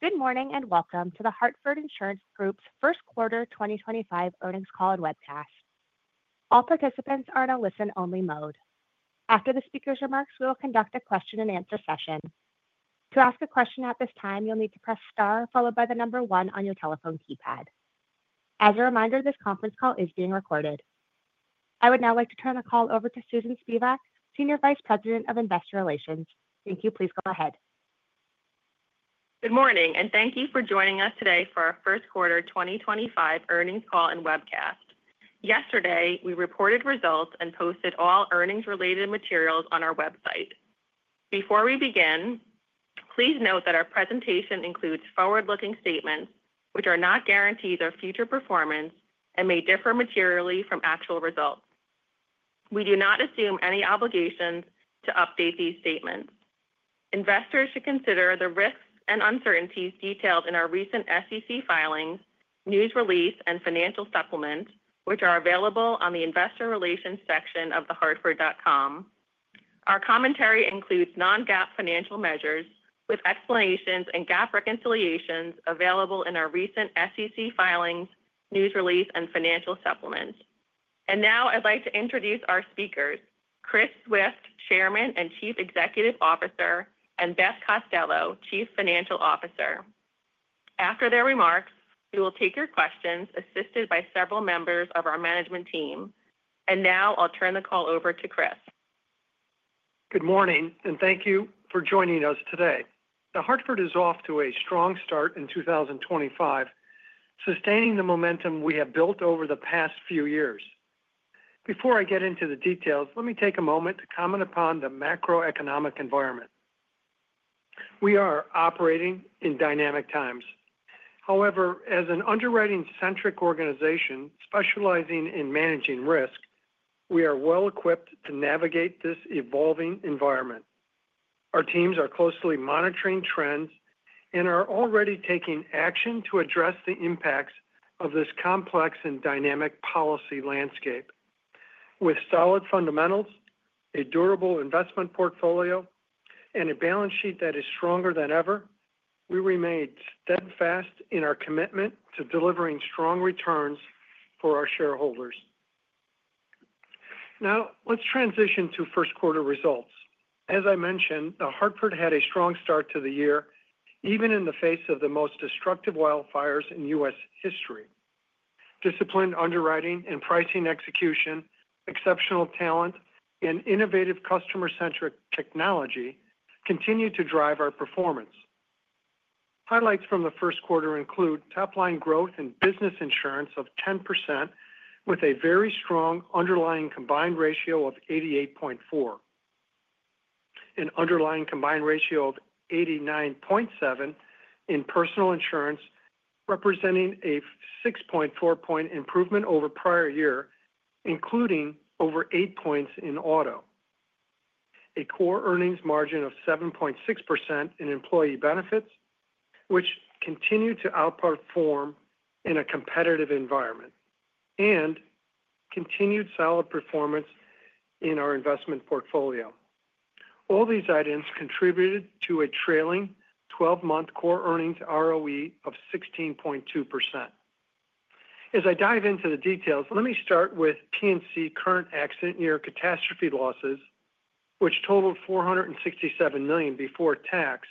Good morning and welcome to The Hartford Insurance Group's First Quarter 2025 Earnings Call and Webcast. All participants are in a listen-only mode. After the speaker's remarks, we will conduct a question-and-answer session. To ask a question at this time, you'll need to press star followed by the number one on your telephone keypad. As a reminder, this conference call is being recorded. I would now like to turn the call over to Susan Spivak, Senior Vice President of Investor Relations. Thank you. Please go ahead. Good morning, and thank you for joining us today for our First Quarter 2025 Earnings Call and Webcast. Yesterday, we reported results and posted all earnings-related materials on our website. Before we begin, please note that our presentation includes forward-looking statements, which are not guarantees of future performance and may differ materially from actual results. We do not assume any obligations to update these statements. Investors should consider the risks and uncertainties detailed in our recent SEC filings, news release, and financial supplement, which are available on the Investor Relations section of thehartford.com. Our commentary includes non-GAAP financial measures with explanations and GAAP reconciliations available in our recent SEC filings, news release, and financial supplement. I would like to introduce our speakers, Chris Swift, Chairman and Chief Executive Officer, and Beth Costello, Chief Financial Officer. After their remarks, we will take your questions assisted by several members of our management team. Now I'll turn the call over to Chris. Good morning, and thank you for joining us today. The Hartford is off to a strong start in 2025, sustaining the momentum we have built over the past few years. Before I get into the details, let me take a moment to comment upon the macroeconomic environment. We are operating in dynamic times. However, as an underwriting-centric organization specializing in managing risk, we are well-equipped to navigate this evolving environment. Our teams are closely monitoring trends and are already taking action to address the impacts of this complex and dynamic policy landscape. With solid fundamentals, a durable investment portfolio, and a balance sheet that is stronger than ever, we remain steadfast in our commitment to delivering strong returns for our shareholders. Now let's transition to First Quarter results. As I mentioned, The Hartford had a strong start to the year, even in the face of the most destructive wildfires in U.S. history. Disciplined underwriting and pricing execution, exceptional talent, and innovative customer-centric technology continue to drive our performance. Highlights from the first quarter include top-line growth in business insurance of 10%, with a very strong underlying combined ratio of 88.4, an underlying combined ratio of 89.7 in personal insurance, representing a 6.4 point improvement over prior year, including over 8 points in auto, a core earnings margin of 7.6% in employee benefits, which continue to outperform in a competitive environment, and continued solid performance in our investment portfolio. All these items contributed to a trailing 12-month core earnings ROE of 16.2%. As I dive into the details, let me start with P&C current accident year catastrophe losses, which totaled $467 million before tax,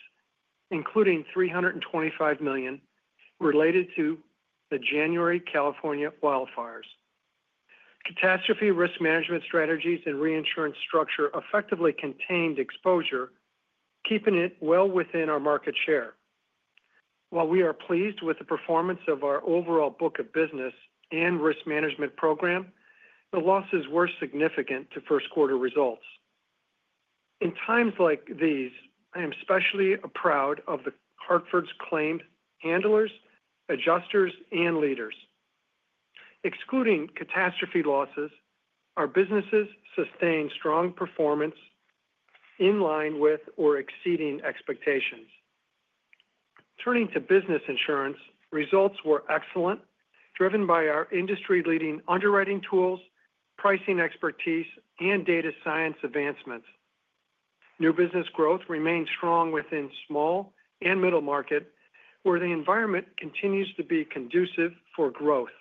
including $325 million related to the January California wildfires. Catastrophe risk management strategies and reinsurance structure effectively contained exposure, keeping it well within our market share. While we are pleased with the performance of our overall book of business and risk management program, the losses were significant to first quarter results. In times like these, I am especially proud of The Hartford's claim handlers, adjusters, and leaders. Excluding catastrophe losses, our businesses sustained strong performance in line with or exceeding expectations. Turning to business insurance, results were excellent, driven by our industry-leading underwriting tools, pricing expertise, and data science advancements. New business growth remained strong within small and middle markets, where the environment continues to be conducive for growth.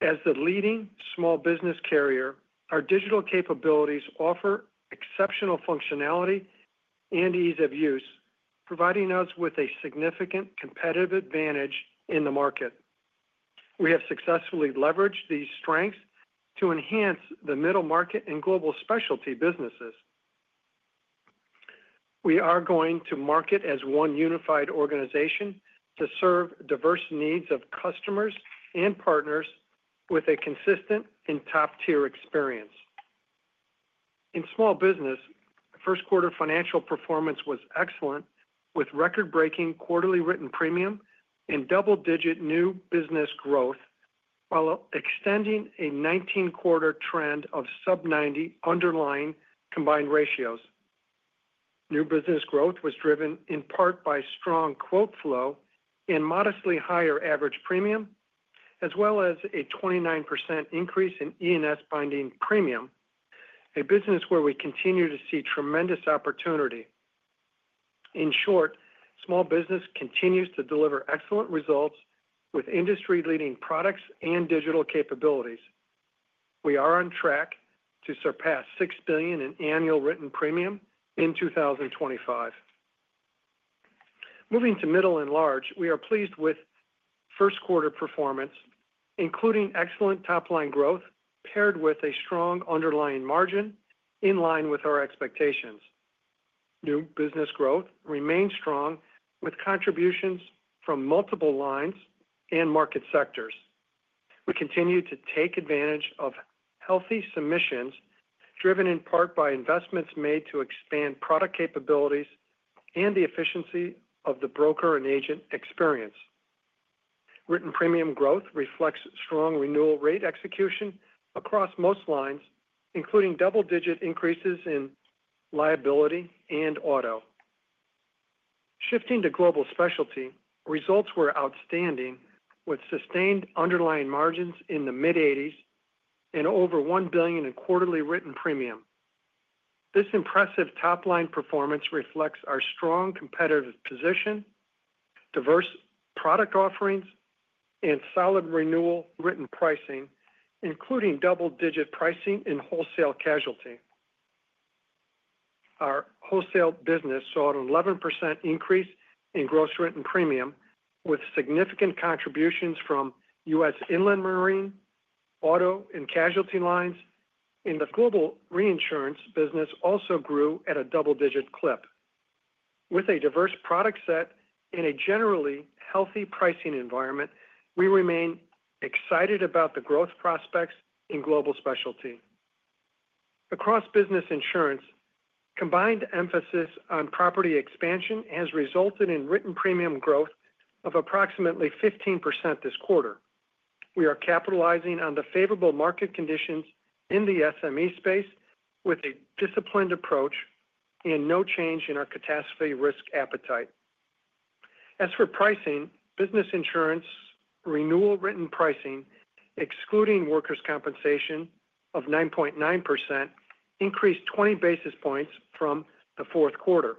As the leading small business carrier, our digital capabilities offer exceptional functionality and ease of use, providing us with a significant competitive advantage in the market. We have successfully leveraged these strengths to enhance the middle market and Global Specialty businesses. We are going to market as one unified organization to serve diverse needs of customers and partners with a consistent and top-tier experience. In small business, first quarter financial performance was excellent, with record-breaking quarterly written premium and double-digit new business growth, while extending a 19-quarter trend of sub-90 underlying combined ratios. New business growth was driven in part by strong quote flow and modestly higher average premium, as well as a 29% increase in E&S Binding premium, a business where we continue to see tremendous opportunity. In short, small business continues to deliver excellent results with industry-leading products and digital capabilities. We are on track to surpass $6 billion in annual written premium in 2025. Moving to middle and large, we are pleased with first quarter performance, including excellent top-line growth paired with a strong underlying margin in line with our expectations. New business growth remained strong, with contributions from multiple lines and market sectors. We continue to take advantage of healthy submissions, driven in part by investments made to expand product capabilities and the efficiency of the broker and agent experience. Written premium growth reflects strong renewal rate execution across most lines, including double-digit increases in liability and auto. Shifting to global specialty, results were outstanding, with sustained underlying margins in the mid-80s and over $1 billion in quarterly written premium. This impressive top-line performance reflects our strong competitive position, diverse product offerings, and solid renewal written pricing, including double-digit pricing and wholesale casualty. Our wholesale business saw an 11% increase in gross written premium, with significant contributions from U.S. Inland Marine, auto, and casualty lines, and the global reinsurance business also grew at a double-digit clip. With a diverse product set and a generally healthy pricing environment, we remain excited about the growth prospects in global specialty. Across business insurance, combined emphasis on property expansion has resulted in written premium growth of approximately 15% this quarter. We are capitalizing on the favorable market conditions in the SME space with a disciplined approach and no change in our catastrophe risk appetite. As for pricing, business insurance renewal written pricing, excluding workers' compensation of 9.9%, increased 20 basis points from the fourth quarter.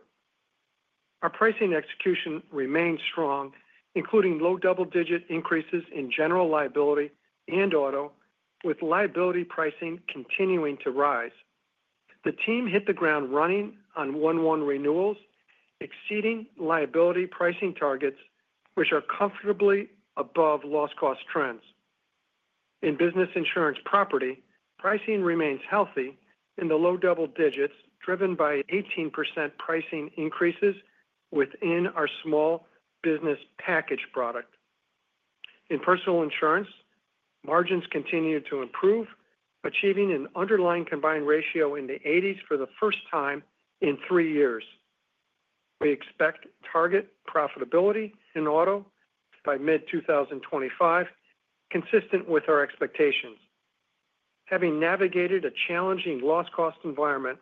Our pricing execution remained strong, including low double-digit increases in general liability and auto, with liability pricing continuing to rise. The team hit the ground running on one-to-one renewals, exceeding liability pricing targets, which are comfortably above loss-cost trends. In business insurance property, pricing remains healthy in the low double digits, driven by 18% pricing increases within our small business package product. In personal insurance, margins continue to improve, achieving an underlying combined ratio in the 80s for the first time in three years. We expect target profitability in auto by mid-2025, consistent with our expectations. Having navigated a challenging loss-cost environment,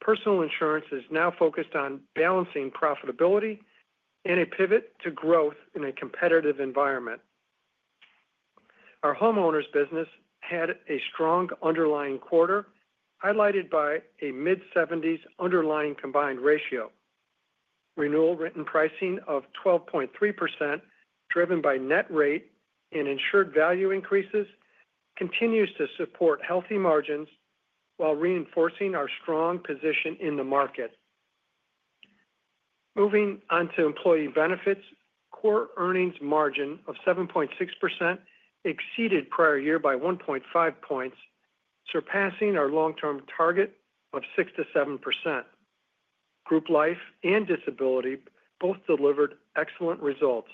personal insurance is now focused on balancing profitability and a pivot to growth in a competitive environment. Our homeowners business had a strong underlying quarter, highlighted by a mid-70s underlying combined ratio. Renewal written pricing of 12.3%, driven by net rate and insured value increases, continues to support healthy margins while reinforcing our strong position in the market. Moving on to employee benefits, core earnings margin of 7.6% exceeded prior year by 1.5 percentage points, surpassing our long-term target of 6%-7%. Group life and disability both delivered excellent results.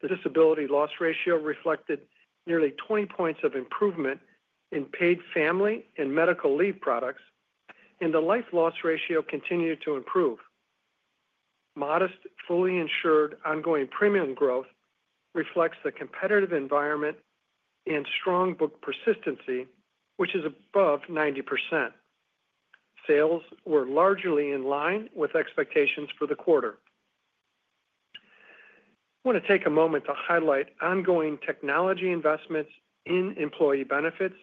The disability loss ratio reflected nearly 20 percentage points of improvement in paid family and medical leave products, and the life loss ratio continued to improve. Modest fully insured ongoing premium growth reflects the competitive environment and strong book persistency, which is above 90%. Sales were largely in line with expectations for the quarter. I want to take a moment to highlight ongoing technology investments in employee benefits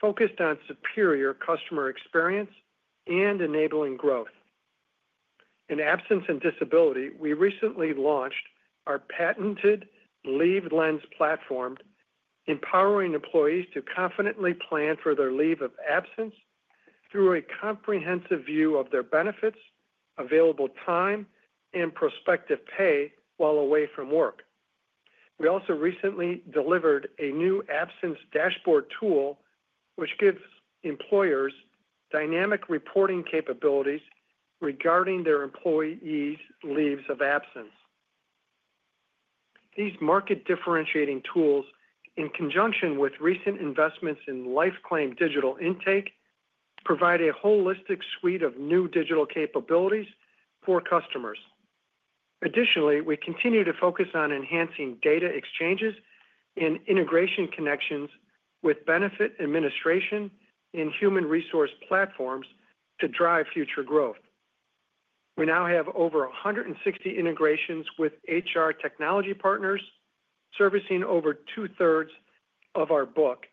focused on superior customer experience and enabling growth. In absence and disability, we recently launched our patented LeaveLens Platform, empowering employees to confidently plan for their leave of absence through a comprehensive view of their benefits, available time, and prospective pay while away from work. We also recently delivered a new absence dashboard tool, which gives employers dynamic reporting capabilities regarding their employees' leaves of absence. These market differentiating tools, in conjunction with recent investments in life claim digital intake, provide a holistic suite of new digital capabilities for customers. Additionally, we continue to focus on enhancing data exchanges and integration connections with benefit administration and human resource platforms to drive future growth. We now have over 160 integrations with HR technology partners, servicing over 2/3 of our book,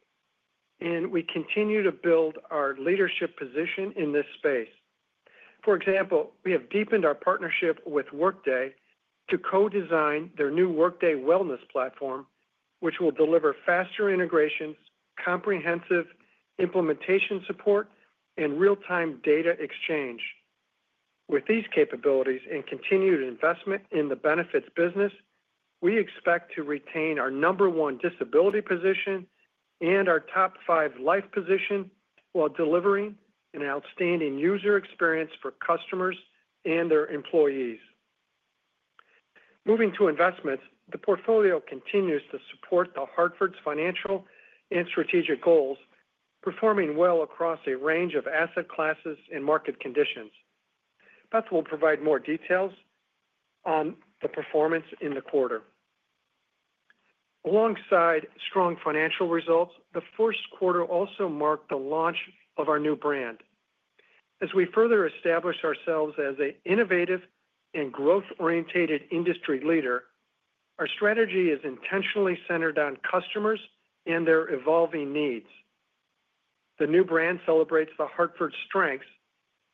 and we continue to build our leadership position in this space. For example, we have deepened our partnership with Workday to co-design their new Workday Wellness platform, which will deliver faster integrations, comprehensive implementation support, and real-time data exchange. With these capabilities and continued investment in the benefits business, we expect to retain our number one disability position and our top five life position while delivering an outstanding user experience for customers and their employees. Moving to investments, the portfolio continues to support The Hartford's financial and strategic goals, performing well across a range of asset classes and market conditions. Beth will provide more details on the performance in the quarter. Alongside strong financial results, the first quarter also marked the launch of our new brand. As we further establish ourselves as an innovative and growth-oriented industry leader, our strategy is intentionally centered on customers and their evolving needs. The new brand celebrates The Hartford's strengths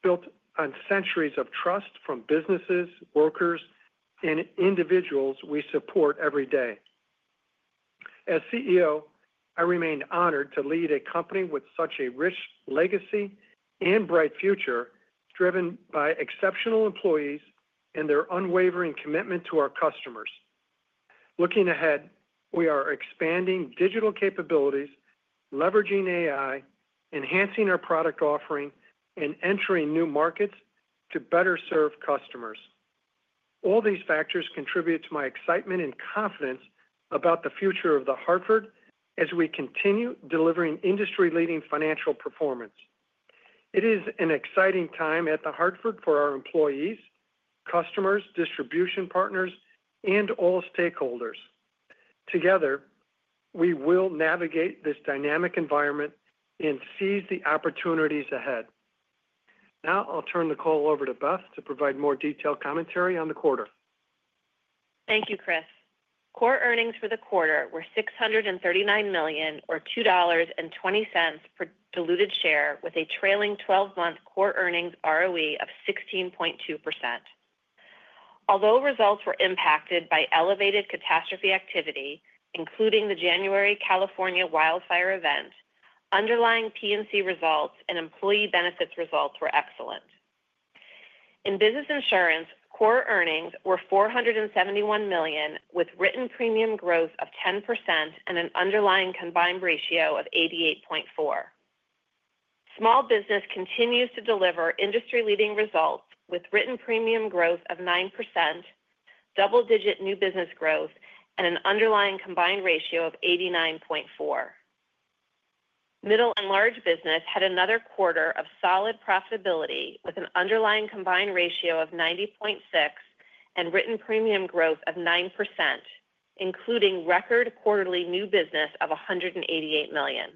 built on centuries of trust from businesses, workers, and individuals we support every day. As CEO, I remained honored to lead a company with such a rich legacy and bright future, driven by exceptional employees and their unwavering commitment to our customers. Looking ahead, we are expanding digital capabilities, leveraging AI, enhancing our product offering, and entering new markets to better serve customers. All these factors contribute to my excitement and confidence about the future of The Hartford as we continue delivering industry-leading financial performance. It is an exciting time at The Hartford for our employees, customers, distribution partners, and all stakeholders. Together, we will navigate this dynamic environment and seize the opportunities ahead. Now I'll turn the call over to Beth to provide more detailed commentary on the quarter. Thank you, Chris. Core earnings for the quarter were $639 million or $2.20 per diluted share, with a trailing 12-month core earnings ROE of 16.2%. Although results were impacted by elevated catastrophe activity, including the January California wildfire event, underlying P&C results and employee benefits results were excellent. In business insurance, core earnings were $471 million with written premium growth of 10% and an underlying combined ratio of 88.4. Small business continues to deliver industry-leading results with written premium growth of 9%, double-digit new business growth, and an underlying combined ratio of 89.4. Middle and large business had another quarter of solid profitability with an underlying combined ratio of 90.6 and written premium growth of 9%, including record quarterly new business of $188 million.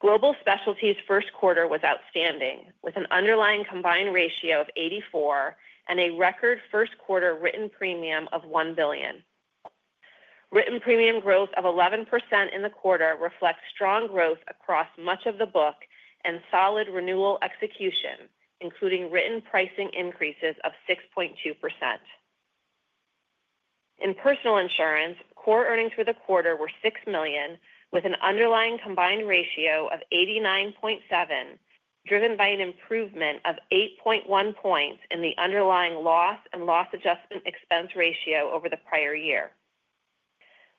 Global specialty's first quarter was outstanding, with an underlying combined ratio of 84 and a record first quarter written premium of $1 billion. Written premium growth of 11% in the quarter reflects strong growth across much of the book and solid renewal execution, including written pricing increases of 6.2%. In personal insurance, core earnings for the quarter were $6 million with an underlying combined ratio of 89.7, driven by an improvement of 8.1 percentage points in the underlying loss and loss adjustment expense ratio over the prior year.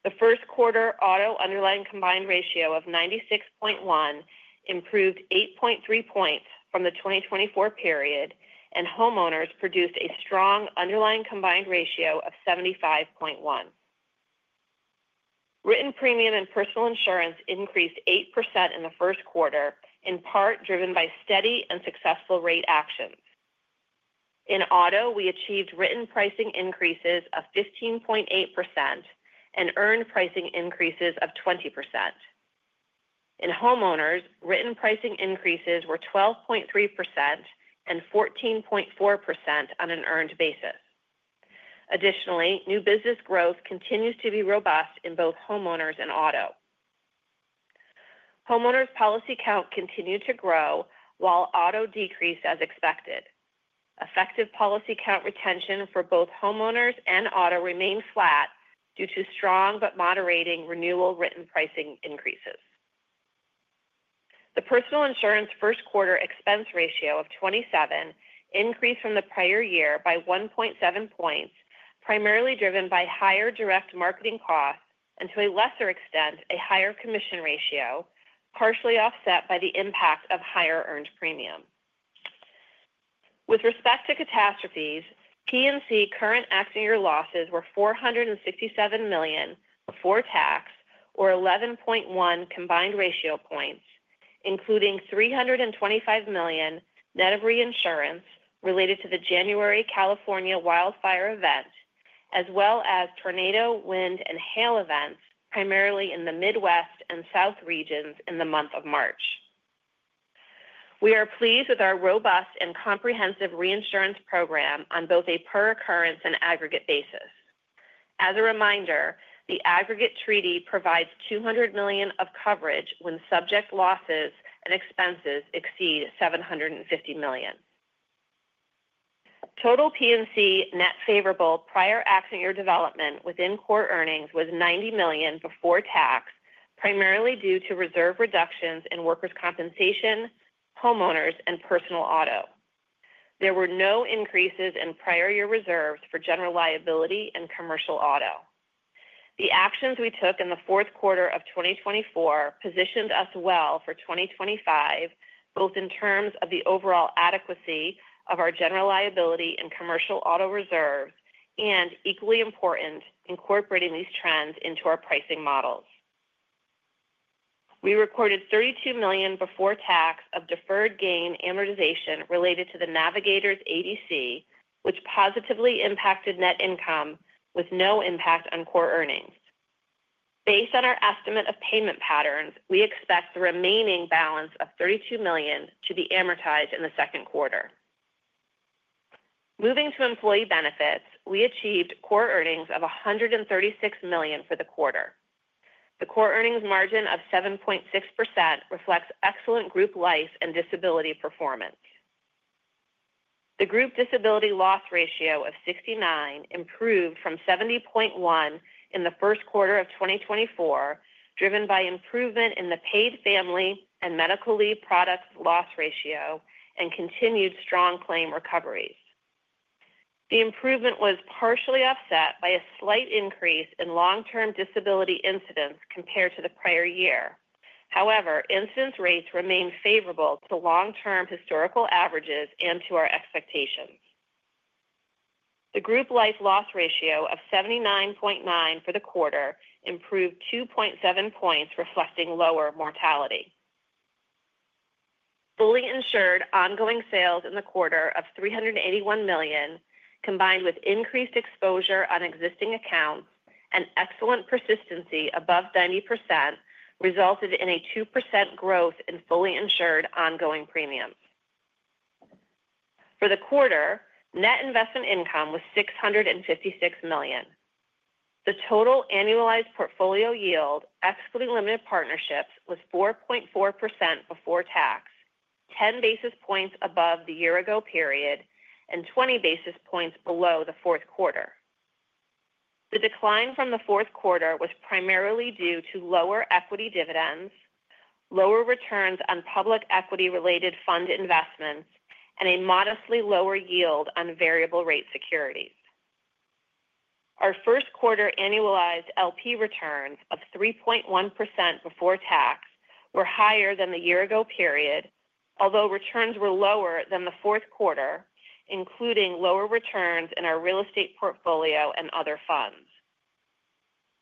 The first quarter auto underlying combined ratio of 96.1 improved 8.3 percentage points from the 2024 period, and homeowners produced a strong underlying combined ratio of 75.1. Written premium in personal insurance increased 8% in the first quarter, in part driven by steady and successful rate actions. In auto, we achieved written pricing increases of 15.8% and earned pricing increases of 20%. In homeowners, written pricing increases were 12.3% and 14.4% on an earned basis. Additionally, new business growth continues to be robust in both homeowners and auto. Homeowners policy count continued to grow while auto decreased as expected. Effective policy count retention for both homeowners and auto remained flat due to strong but moderating renewal written pricing increases. The personal insurance first quarter expense ratio of 27 increased from the prior year by 1.7 percentage points, primarily driven by higher direct marketing costs and, to a lesser extent, a higher commission ratio, partially offset by the impact of higher earned premium. With respect to catastrophes, P&C current accident year losses were $467 million before tax or 11.1 combined ratio points, including $325 million net of reinsurance related to the January California wildfire event, as well as tornado, wind, and hail events primarily in the Midwest and South regions in the month of March. We are pleased with our robust and comprehensive reinsurance program on both a per-occurrence and aggregate basis. As a reminder, the aggregate treaty provides $200 million of coverage when subject losses and expenses exceed $750 million. Total P&C net favorable prior accident year development within core earnings was $90 million before tax, primarily due to reserve reductions in workers' compensation, homeowners, and personal auto. There were no increases in prior year reserves for general liability and commercial auto. The actions we took in the fourth quarter of 2024 positioned us well for 2025, both in terms of the overall adequacy of our general liability and commercial auto reserves and, equally important, incorporating these trends into our pricing models. We recorded $32 million before tax of deferred gain amortization related to the Navigators ADC, which positively impacted net income with no impact on core earnings. Based on our estimate of payment patterns, we expect the remaining balance of $32 million to be amortized in the second quarter. Moving to employee benefits, we achieved core earnings of $136 million for the quarter. The core earnings margin of 7.6% reflects excellent group life and disability performance. The group disability loss ratio of 69 improved from 70.1 in the first quarter of 2024, driven by improvement in the paid family and medical leave product loss ratio and continued strong claim recoveries. The improvement was partially offset by a slight increase in long-term disability incidents compared to the prior year. However, incident rates remained favorable to long-term historical averages and to our expectations. The group life loss ratio of 79.9 for the quarter improved 2.7 points, reflecting lower mortality. Fully insured ongoing sales in the quarter of $381 million, combined with increased exposure on existing accounts and excellent persistency above 90%, resulted in a 2% growth in fully insured ongoing premiums. For the quarter, net investment income was $656 million. The total annualized portfolio yield, excluding limited partnerships, was 4.4% before tax, 10 basis points above the year-ago period and 20 basis points below the fourth quarter. The decline from the fourth quarter was primarily due to lower equity dividends, lower returns on public equity-related fund investments, and a modestly lower yield on variable-rate securities. Our first quarter annualized LP returns of 3.1% before tax were higher than the year-ago period, although returns were lower than the fourth quarter, including lower returns in our real estate portfolio and other funds.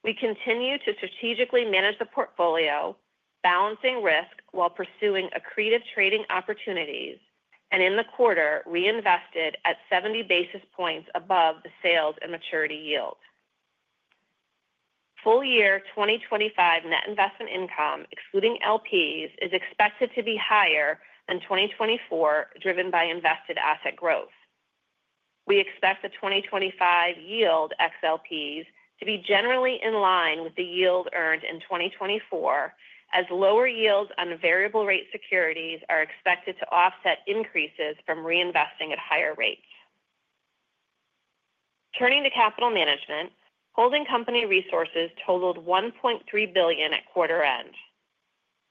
We continued to strategically manage the portfolio, balancing risk while pursuing accretive trading opportunities, and in the quarter, reinvested at 70 basis points above the sales and maturity yield. Full-year 2025 net investment income, excluding LPs, is expected to be higher than 2024, driven by invested asset growth. We expect the 2025 yield excluding LPs to be generally in line with the yield earned in 2024, as lower yields on variable-rate securities are expected to offset increases from reinvesting at higher rates. Turning to capital management, holding company resources totaled $1.3 billion at quarter end.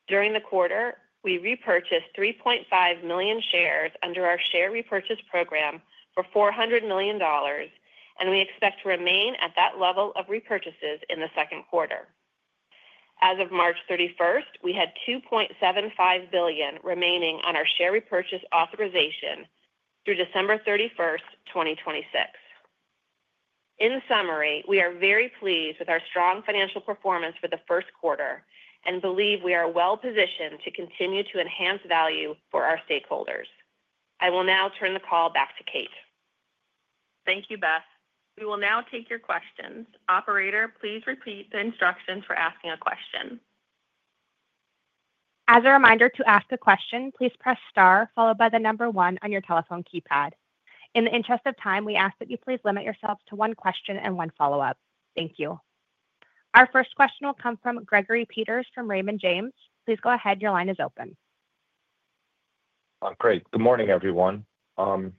During the quarter, we repurchased 3.5 million shares under our share repurchase program for $400 million, and we expect to remain at that level of repurchases in the second quarter. As of March 31, we had $2.75 billion remaining on our share repurchase authorization through December 31, 2026. In summary, we are very pleased with our strong financial performance for the first quarter and believe we are well-positioned to continue to enhance value for our stakeholders. I will now turn the call back to Kate. Thank you, Beth. We will now take your questions. Operator, please repeat the instructions for asking a question. As a reminder to ask a question, please press star followed by the number one on your telephone keypad. In the interest of time, we ask that you please limit yourselves to one question and one follow-up. Thank you. Our first question will come from Gregory Peters from Raymond James. Please go ahead. Your line is open. Great. Good morning, everyone. The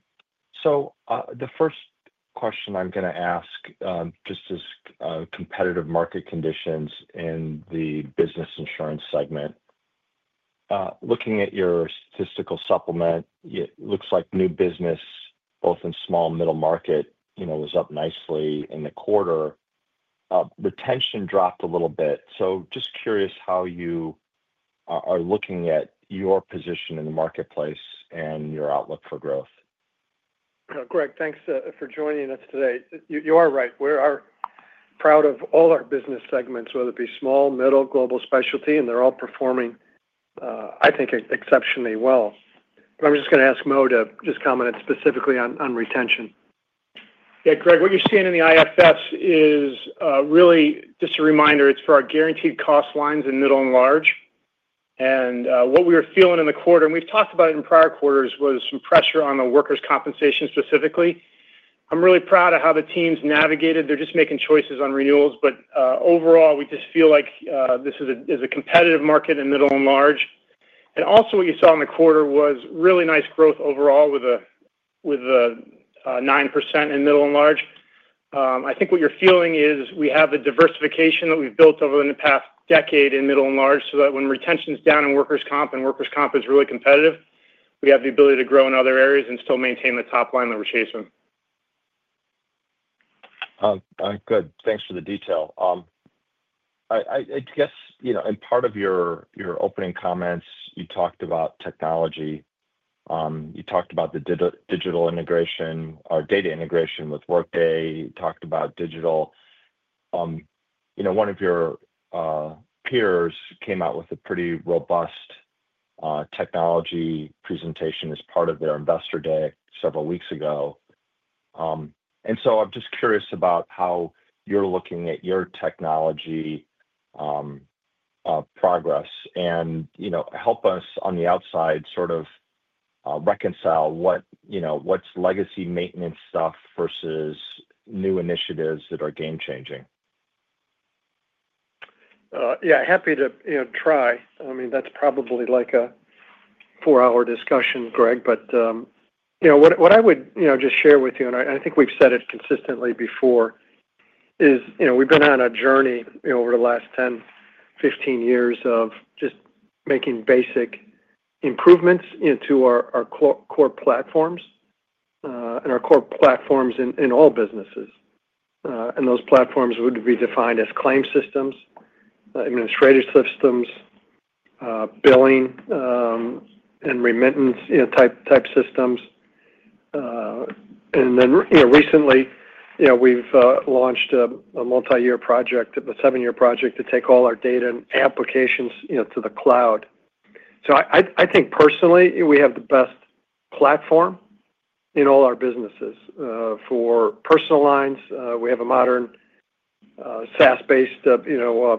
first question I'm going to ask just is competitive market conditions in the business insurance segment. Looking at your statistical supplement, it looks like new business, both in small and middle market, was up nicely in the quarter. Retention dropped a little bit. Just curious how you are looking at your position in the marketplace and your outlook for growth. Greg, thanks for joining us today. You are right. We are proud of all our business segments, whether it be small, middle, global specialty, and they are all performing, I think, exceptionally well. I am just going to ask Mo to just comment specifically on retention. Yeah, Greg, what you are seeing in the IFS is really just a reminder. It is for our guaranteed cost lines in middle and large. What we were feeling in the quarter, and we have talked about it in prior quarters, was some pressure on the workers' compensation specifically. I am really proud of how the teams navigated. They are just making choices on renewals. Overall, we just feel like this is a competitive market in middle and large. Also, what you saw in the quarter was really nice growth overall with a 9% in middle and large. I think what you're feeling is we have the diversification that we've built over the past decade in middle and large so that when retention's down in workers' comp and workers' comp is really competitive, we have the ability to grow in other areas and still maintain the top line that we're chasing. Good. Thanks for the detail. I guess in part of your opening comments, you talked about technology. You talked about the digital integration, our data integration with Workday. You talked about digital. One of your peers came out with a pretty robust technology presentation as part of their investor day several weeks ago. I am just curious about how you're looking at your technology progress and help us on the outside sort of reconcile what's legacy maintenance stuff versus new initiatives that are game-changing. Yeah, happy to try. I mean, that's probably like a four-hour discussion, Greg. What I would just share with you, and I think we've said it consistently before, is we've been on a journey over the last 10, 15 years of just making basic improvements to our core platforms and our core platforms in all businesses. Those platforms would be defined as claim systems, administrative systems, billing, and remittance type systems. Recently, we've launched a multi-year project, a seven-year project to take all our data and applications to the cloud. I think personally, we have the best platform in all our businesses. For Personal Lines, we have a modern SaaS-based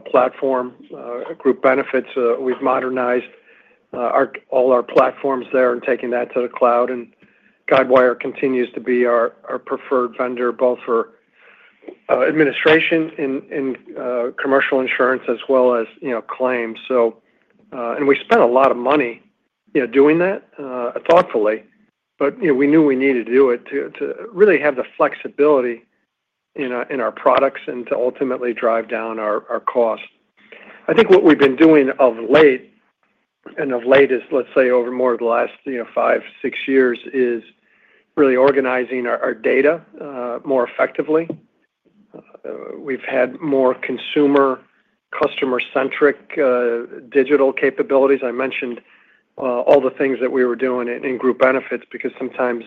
platform. Group benefits, we've modernized all our platforms there and taken that to the cloud. Guidewire continues to be our preferred vendor, both for administration and commercial insurance as well as claims. We spent a lot of money doing that, thoughtfully, but we knew we needed to do it to really have the flexibility in our products and to ultimately drive down our cost. I think what we've been doing of late, and of late is, let's say, over more of the last five, six years, is really organizing our data more effectively. We've had more consumer, customer-centric digital capabilities. I mentioned all the things that we were doing in group benefits because sometimes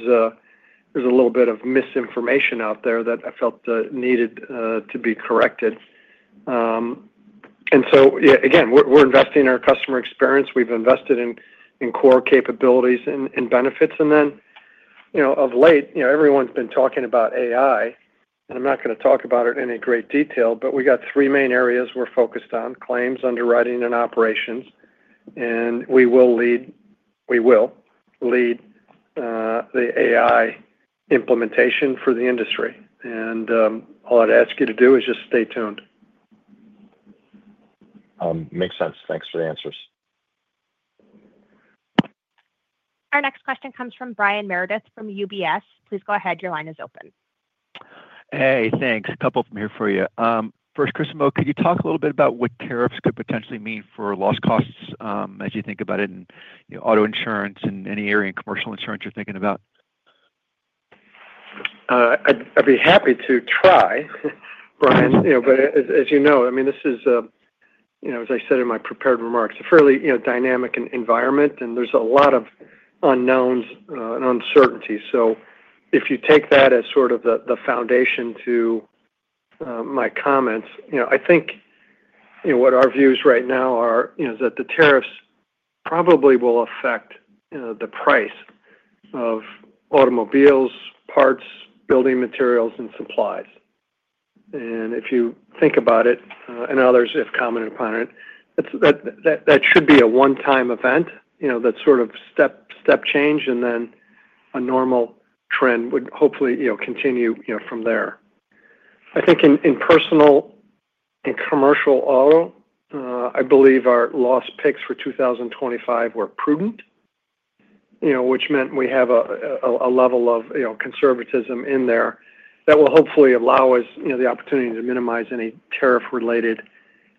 there's a little bit of misinformation out there that I felt needed to be corrected. Yeah, again, we're investing in our customer experience. We've invested in core capabilities and benefits. Of late, everyone's been talking about AI, and I'm not going to talk about it in any great detail, but we got three main areas we're focused on: claims, underwriting, and operations. We will lead the AI implementation for the industry. All I'd ask you to do is just stay tuned. Makes sense. Thanks for the answers. Our next question comes from Brian Meredith from UBS. Please go ahead. Your line is open. Hey, thanks. A couple from here for you. First, Chris and Mo, could you talk a little bit about what tariffs could potentially mean for loss costs as you think about it in auto insurance and any area in commercial insurance you're thinking about? I'd be happy to try, Brian. As you know, I mean, this is, as I said in my prepared remarks, a fairly dynamic environment, and there's a lot of unknowns and uncertainties. If you take that as sort of the foundation to my comments, I think what our views right now are is that the tariffs probably will affect the price of automobiles, parts, building materials, and supplies. If you think about it, and others have commented upon it, that should be a one-time event, that sort of step change, and then a normal trend would hopefully continue from there. I think in personal and commercial auto, I believe our lost picks for 2025 were prudent, which meant we have a level of conservatism in there that will hopefully allow us the opportunity to minimize any tariff-related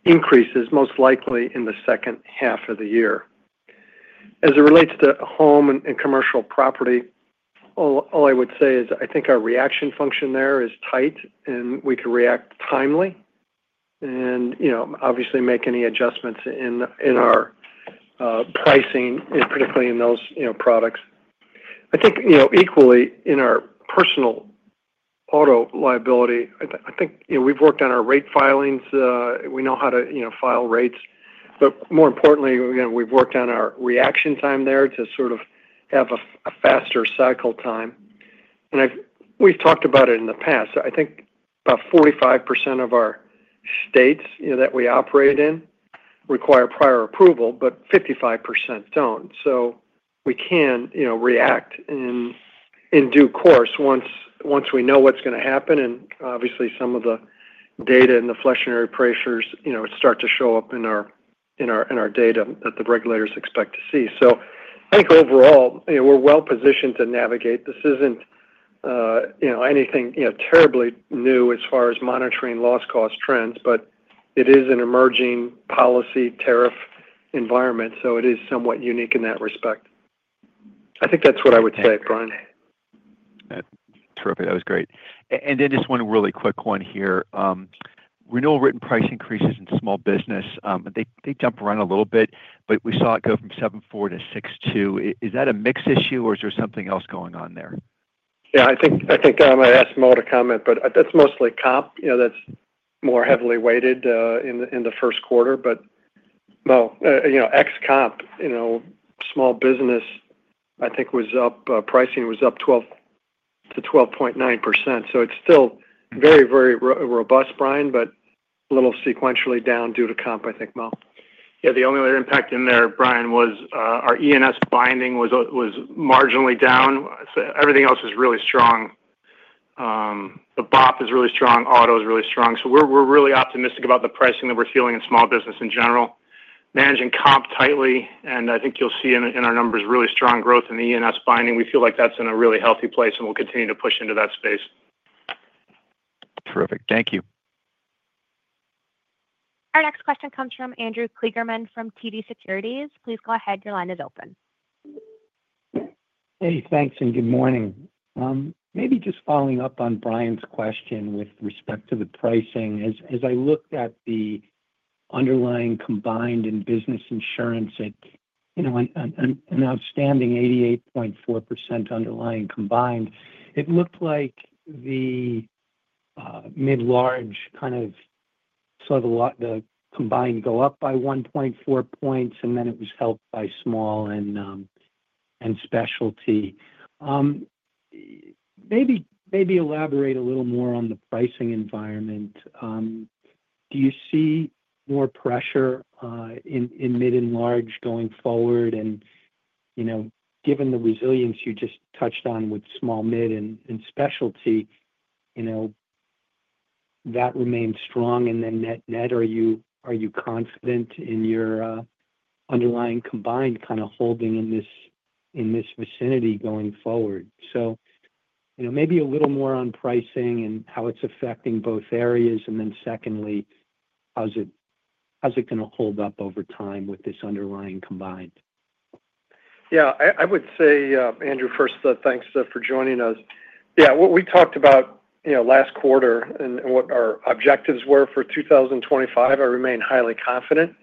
increases, most likely in the second half of the year. As it relates to home and commercial property, all I would say is I think our reaction function there is tight, and we can react timely and obviously make any adjustments in our pricing, particularly in those products. I think equally in our personal auto liability, I think we've worked on our rate filings. We know how to file rates. More importantly, we've worked on our reaction time there to sort of have a faster cycle time. We've talked about it in the past. I think about 45% of our states that we operate in require prior approval, but 55% do not. We can react in due course once we know what's going to happen. Obviously, some of the data and the flexionary pressures start to show up in our data that the regulators expect to see. I think overall, we're well-positioned to navigate. This isn't anything terribly new as far as monitoring loss cost trends, but it is an emerging policy tariff environment. It is somewhat unique in that respect. I think that's what I would say, Brian. Terrific. That was great. One really quick one here. Renewal written price increases in small business, they jump around a little bit, but we saw it go from 7.4%-6.2%. Is that a mix issue, or is there something else going on there? I think I might ask Mo to comment, but that's mostly comp. That's more heavily weighted in the first quarter. Mo, excluding comp, small business, I think was up. Pricing was up 12%-12.9%. It is still very, very robust, Brian, but a little sequentially down due to comp, I think, Mo. Yeah, the only other impact in there, Brian, was our E&S Binding was marginally down. Everything else is really strong. The BOP is really strong. Auto is really strong. We are really optimistic about the pricing that we're feeling in small business in general, managing comp tightly. I think you'll see in our numbers really strong growth in the E&S Binding. We feel like that's in a really healthy place, and we'll continue to push into that space. Terrific. Thank you. Our next question comes from Andrew Kligerman from TD Securities. Please go ahead. Your line is open. Hey, thanks, and good morning. Maybe just following up on Brian's question with respect to the pricing. As I looked at the underlying combined in business insurance at an outstanding 88.4% underlying combined, it looked like the mid-large kind of saw the combined go up by 1.4 percentage points, and it was helped by small and specialty. Maybe elaborate a little more on the pricing environment. Do you see more pressure in mid and large going forward? Given the resilience you just touched on with small, mid, and specialty, that remains strong. Net net, are you confident in your underlying combined kind of holding in this vicinity going forward? Maybe a little more on pricing and how it's affecting both areas. Secondly, how's it going to hold up over time with this underlying combined? I would say, Andrew, first, thanks for joining us. Yeah, what we talked about last quarter and what our objectives were for 2025, I remain highly confident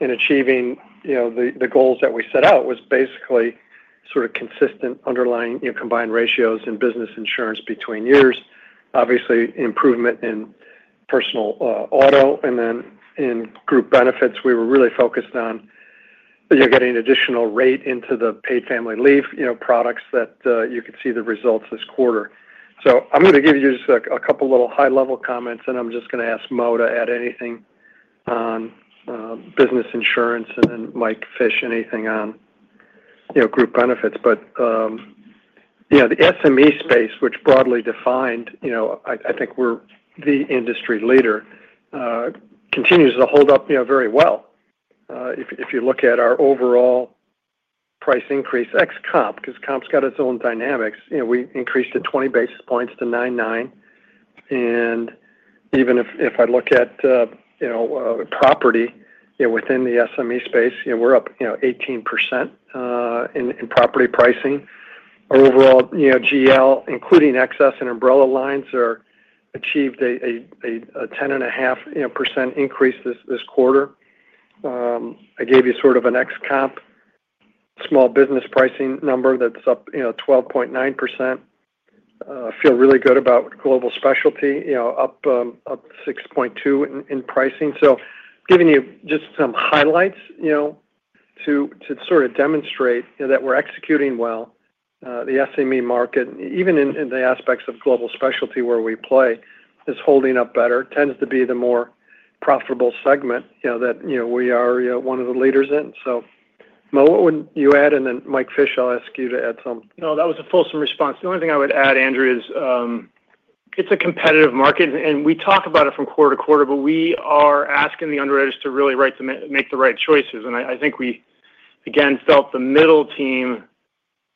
in achieving the goals that we set out was basically sort of consistent underlying combined ratios in business insurance between years, obviously improvement in personal auto. In group benefits, we were really focused on getting additional rate into the paid family leave products that you could see the results this quarter. I'm going to give you just a couple of little high-level comments, and I'm just going to ask Mo to add anything on business insurance, and then Mike Fish, anything on group benefits. The SME space, which broadly defined, I think we're the industry leader, continues to hold up very well. If you look at our overall price increase, XComp, because Comp's got its own dynamics, we increased it 20 basis points to 9.9%. Even if I look at property within the SME space, we're up 18% in property pricing. Overall, GL, including XS and umbrella lines, achieved a 10.5% increase this quarter. I gave you sort of an XComp small business pricing number that's up 12.9%. I feel really good about global specialty, up 6.2% in pricing. Giving you just some highlights to sort of demonstrate that we're executing well. The SME market, even in the aspects of global specialty where we play, is holding up better. Tends to be the more profitable segment that we are one of the leaders in. Mo, what would you add? Mike Fish, I'll ask you to add something. That was a fulsome response. The only thing I would add, Andrew, is it's a competitive market, and we talk about it from quarter to quarter, but we are asking the underwriters to really make the right choices. I think we, again, felt the middle team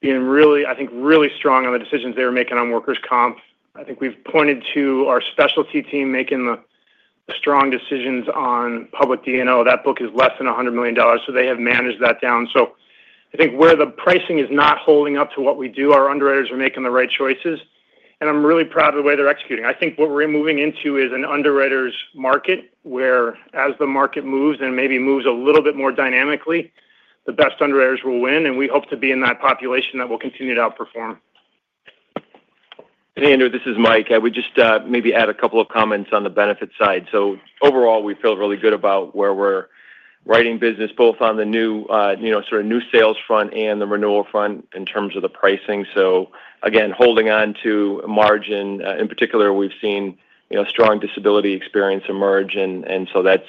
being really, I think, really strong on the decisions they were making on workers' comp. I think we've pointed to our specialty team making the strong decisions on public D&O. That book is less than $100 million, so they have managed that down. I think where the pricing is not holding up to what we do, our underwriters are making the right choices. I'm really proud of the way they're executing. I think what we're moving into is an underwriters' market where, as the market moves and maybe moves a little bit more dynamically, the best underwriters will win. We hope to be in that population that will continue to outperform. Hey, Andrew, this is Mike. I would just maybe add a couple of comments on the benefit side. Overall, we feel really good about where we're writing business, both on the sort of new sales front and the renewal front in terms of the pricing. Again, holding on to margin. In particular, we've seen strong disability experience emerge, and so that's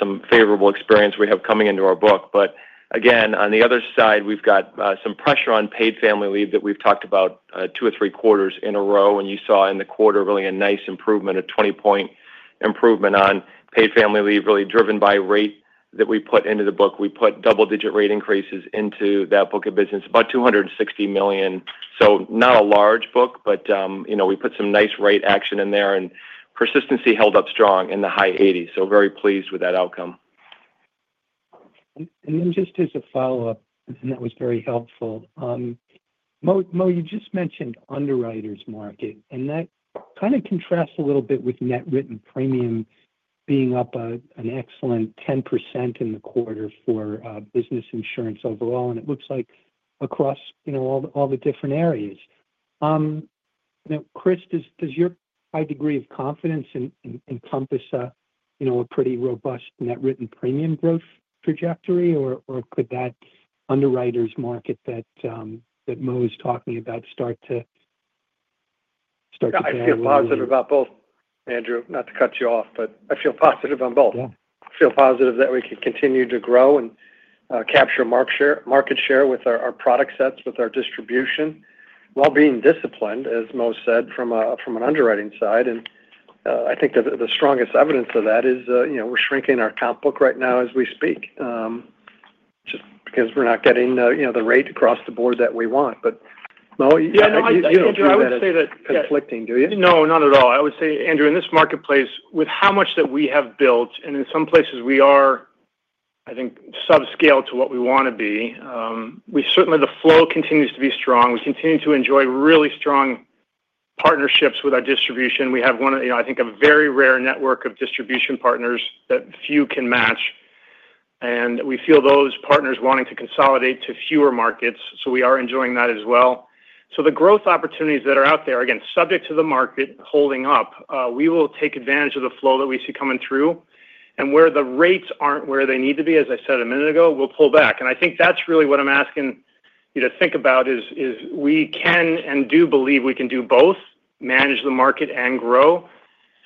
some favorable experience we have coming into our book. Again, on the other side, we've got some pressure on paid family leave that we've talked about two or three quarters in a row. You saw in the quarter really a nice improvement, a 20-point improvement on paid family leave, really driven by rate that we put into the book. We put double-digit rate increases into that book of business, about $260 million. Not a large book, but we put some nice rate action in there, and persistency held up strong in the high 80s. Very pleased with that outcome. Just as a follow-up, and that was very helpful. Mo, you just mentioned underwriters' market, and that kind of contrasts a little bit with net written premium being up an excellent 10% in the quarter for business insurance overall, and it looks like across all the different areas. Chris, does your high degree of confidence encompass a pretty robust net written premium growth trajectory, or could that underwriters' market that Mo is talking about start to fail? I feel positive about both, Andrew, not to cut you off, but I feel positive on both. I feel positive that we can continue to grow and capture market share with our product sets, with our distribution, while being disciplined, as Mo said, from an underwriting side. I think the strongest evidence of that is we're shrinking our comp book right now as we speak just because we're not getting the rate across the board that we want. Mo, you don't think that's conflicting, do you? No, not at all. I would say, Andrew, in this marketplace, with how much that we have built, and in some places we are, I think, subscale to what we want to be, certainly the flow continues to be strong. We continue to enjoy really strong partnerships with our distribution. We have one, I think, a very rare network of distribution partners that few can match. We feel those partners wanting to consolidate to fewer markets. We are enjoying that as well. The growth opportunities that are out there, again, subject to the market holding up, we will take advantage of the flow that we see coming through. Where the rates are not where they need to be, as I said a minute ago, we will pull back. I think that is really what I am asking you to think about, is we can and do believe we can do both, manage the market and grow.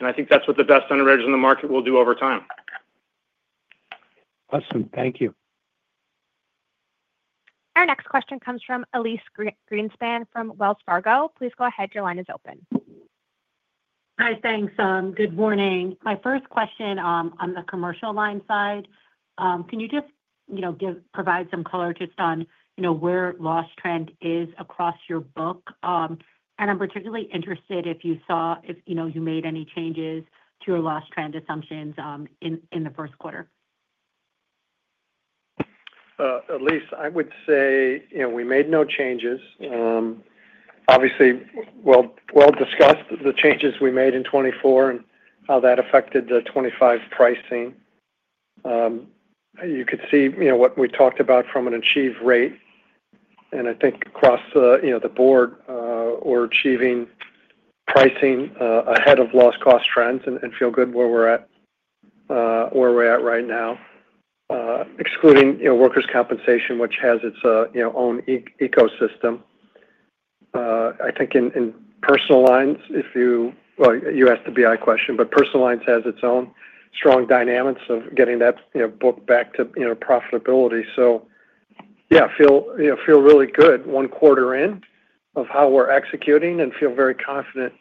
I think that is what the best underwriters in the market will do over time. Awesome. Thank you. Our next question comes from Elyse Greenspan from Wells Fargo. Please go ahead. Your line is open. Hi, thanks. Good morning. My first question on the commercial line side, can you just provide some color just on where loss trend is across your book? I'm particularly interested if you saw if you made any changes to your loss trend assumptions in the first quarter. Elise, I would say we made no changes. Obviously, we discussed the changes we made in 2024 and how that affected the 2025 pricing. You could see what we talked about from an achieved rate. I think across the board, we're achieving pricing ahead of loss cost trends and feel good where we're at right now, excluding workers' compensation, which has its own ecosystem. I think in personal lines, you asked the BI question, but personal lines has its own strong dynamics of getting that book back to profitability. I feel really good one quarter in of how we're executing and feel very confident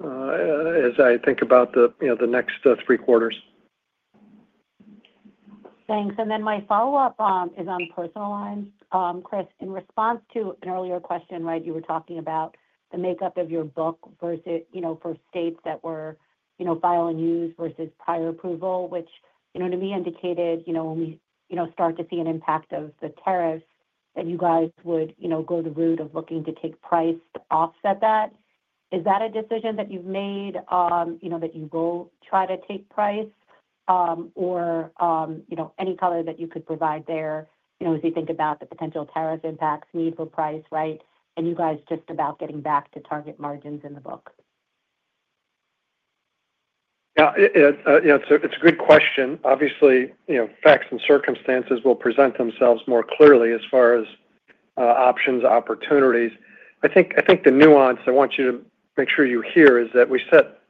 as I think about the next three quarters. Thanks. My follow-up is on personal lines. Chris, in response to an earlier question, right, you were talking about the makeup of your book for states that were filing use versus prior approval, which to me indicated when we start to see an impact of the tariffs that you guys would go the route of looking to take price to offset that. Is that a decision that you've made that you will try to take price or any color that you could provide there as you think about the potential tariff impacts need for price, right? And you guys just about getting back to target margins in the book. Yeah, it's a good question. Obviously, facts and circumstances will present themselves more clearly as far as options, opportunities. I think the nuance I want you to make sure you hear is that we set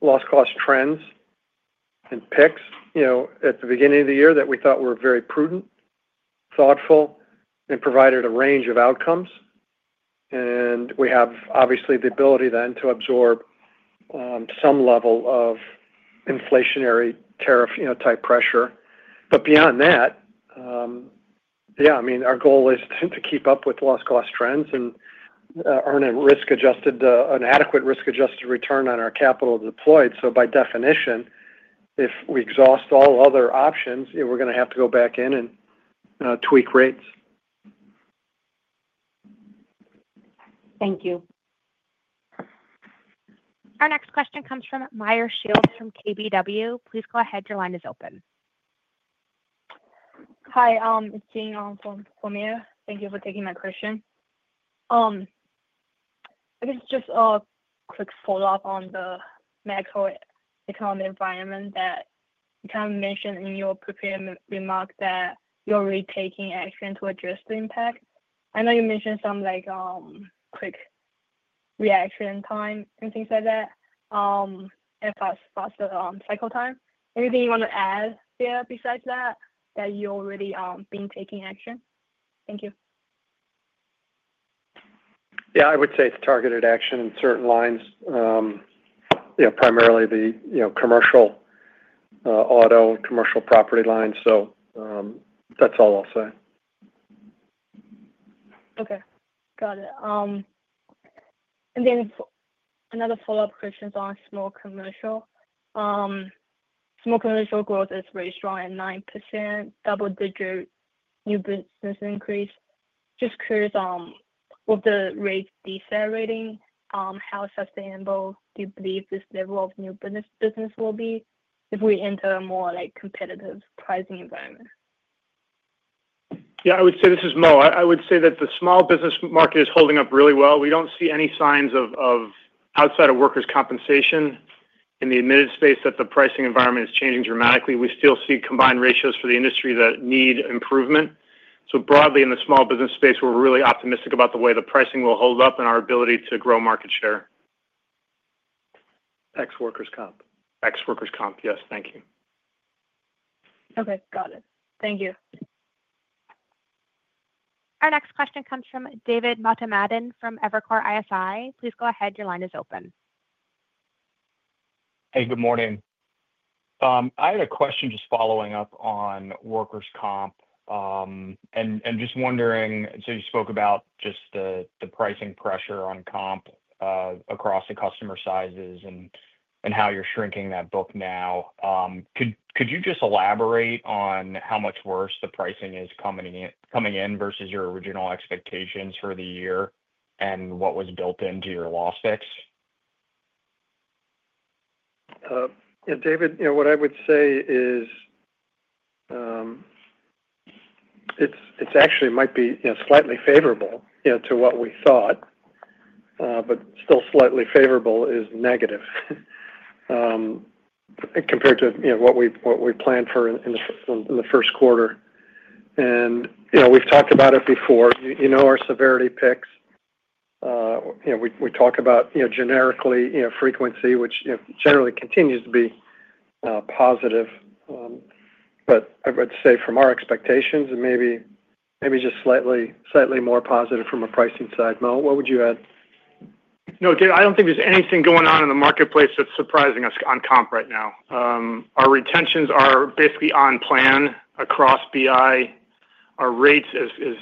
loss cost trends and picks at the beginning of the year that we thought were very prudent, thoughtful, and provided a range of outcomes. We have obviously the ability then to absorb some level of inflationary tariff-type pressure. Beyond that, yeah, I mean, our goal is to keep up with loss cost trends and earn an adequate risk-adjusted return on our capital deployed. By definition, if we exhaust all other options, we're going to have to go back in and tweak rates. Thank you. Our next question comes from Meyer Shields from KBW. Please go ahead. Your line is open. Hi, it's Jane for Meyer. Thank you for taking my question. I guess just a quick follow-up on the macroeconomic environment that you kind of mentioned in your prepared remark that you're already taking action to address the impact. I know you mentioned some quick reaction time and things like that and faster cycle time. Anything you want to add there besides that that you're already being taking action? Thank you. Yeah, I would say it's targeted action in certain lines, primarily the commercial auto and commercial property line. That's all I'll say. Okay. Got it. And then another follow-up question on Small Commercial. Small commercial growth is very strong at 9%, double-digit new business increase. Just curious, with the rate deferring, how sustainable do you believe this level of new business will be if we enter a more competitive pricing environment? Yeah, I would say this is Mo. I would say that the small business market is holding up really well. We do not see any signs of, outside of workers' compensation in the admitted space, that the pricing environment is changing dramatically. We still see combined ratios for the industry that need improvement. Broadly, in the small business space, we are really optimistic about the way the pricing will hold up and our ability to grow market share. Ex-workers' comp. Ex-workers' comp, yes. Thank you. Okay. Got it. Thank you. Our next question comes from David Motemaden from Evercore ISI. Please go ahead. Your line is open. Hey, good morning. I had a question just following up on workers' comp and just wondering, you spoke about just the pricing pressure on comp across the customer sizes and how you are shrinking that book now. Could you just elaborate on how much worse the pricing is coming in versus your original expectations for the year and what was built into your loss fix? David, what I would say is it actually might be slightly favorable to what we thought, but still slightly favorable is negative compared to what we planned for in the first quarter. We have talked about it before. You know our severity picks. We talk about generically frequency, which generally continues to be positive. I would say from our expectations, maybe just slightly more positive from a pricing side. Mo, what would you add? No, David, I do not think there is anything going on in the marketplace that is surprising us on comp right now. Our retentions are basically on plan across BI. Our rates, as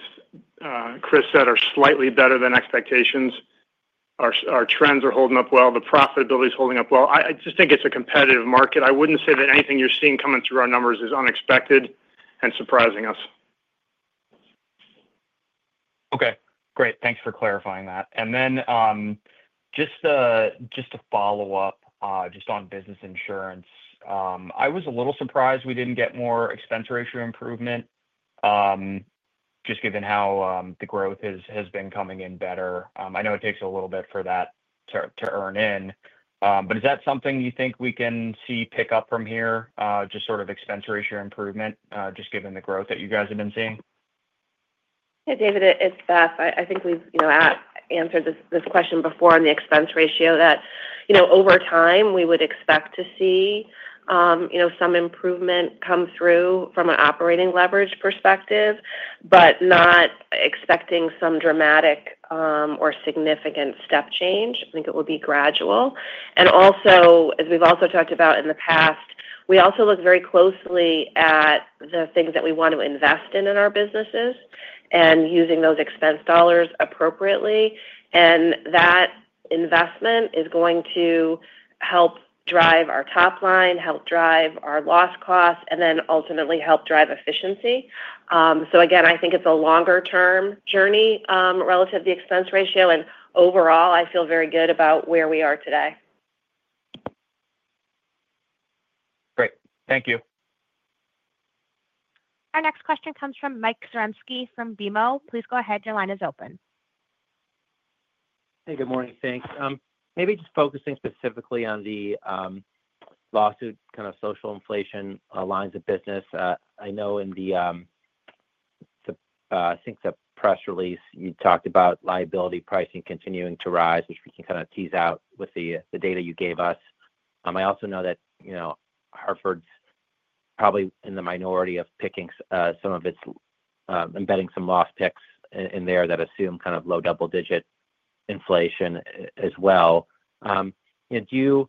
Chris said, are slightly better than expectations. Our trends are holding up well. The profitability is holding up well. I just think it's a competitive market. I wouldn't say that anything you're seeing coming through our numbers is unexpected and surprising us. Okay. Great. Thanks for clarifying that. Just to follow up just on business insurance, I was a little surprised we didn't get more expense ratio improvement just given how the growth has been coming in better. I know it takes a little bit for that to earn in. Is that something you think we can see pick up from here, just sort of expense ratio improvement, just given the growth that you guys have been seeing? Yeah, David, it's Beth. I think we've answered this question before on the expense ratio that over time, we would expect to see some improvement come through from an operating leverage perspective, but not expecting some dramatic or significant step change. I think it will be gradual. As we've also talked about in the past, we also look very closely at the things that we want to invest in in our businesses and using those expense dollars appropriately. That investment is going to help drive our top line, help drive our loss costs, and ultimately help drive efficiency. I think it's a longer-term journey relative to the expense ratio. Overall, I feel very good about where we are today. Great. Thank you. Our next question comes from Mike Zaremski from BMO. Please go ahead. Your line is open. Hey, good morning. Thanks. Maybe just focusing specifically on the lawsuit, kind of social inflation lines of business. I know in the, I think the press release, you talked about liability pricing continuing to rise, which we can kind of tease out with the data you gave us. I also know that Hartford's probably in the minority of picking some of its embedding some loss picks in there that assume kind of low double-digit inflation as well. Do you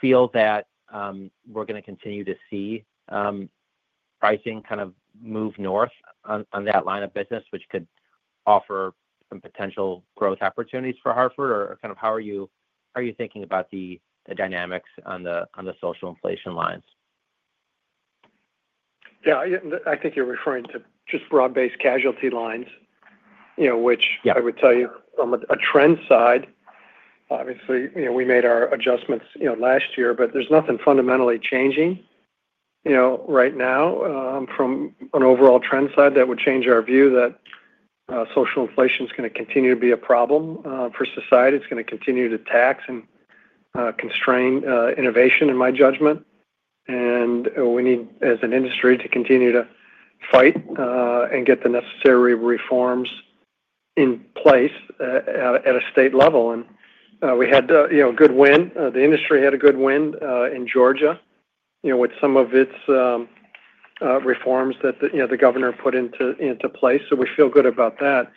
feel that we're going to continue to see pricing kind of move north on that line of business, which could offer some potential growth opportunities for Hartford? How are you thinking about the dynamics on the social inflation lines? Yeah, I think you're referring to just broad-based casualty lines, which I would tell you from a trend side, obviously, we made our adjustments last year, but there's nothing fundamentally changing right now from an overall trend side that would change our view that social inflation is going to continue to be a problem for society. It's going to continue to tax and constrain innovation, in my judgment. We need, as an industry, to continue to fight and get the necessary reforms in place at a state level. We had a good win. The industry had a good win in Georgia with some of its reforms that the governor put into place. We feel good about that.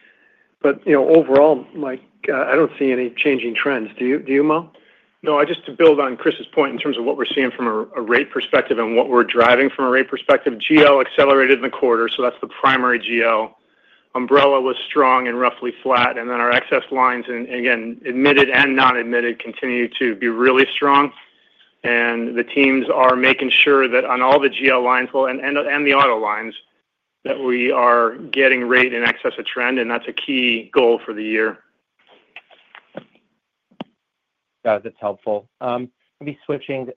Overall, I don't see any changing trends. Do you, Mo? No, just to build on Chris's point in terms of what we're seeing from a rate perspective and what we're driving from a rate perspective, GL accelerated in the quarter. That's the primary GL. Umbrella was strong and roughly flat. Our excess lines, again, admitted and non-admitted, continue to be really strong. The teams are making sure that on all the GL lines and the auto lines that we are getting rate in excess of trend. That's a key goal for the year. Yeah, that's helpful. I'll be switching